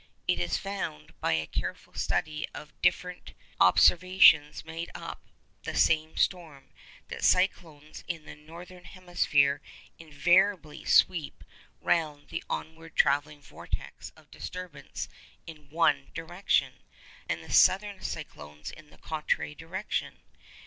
It is found, by a careful study of different observations made upon the same storm, that cyclones in the northern hemisphere invariably sweep round the onward travelling vortex of disturbance in one direction, and southern cyclones in the contrary direction.